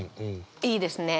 いいですね。